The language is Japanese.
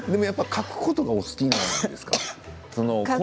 書くことが好きなんですか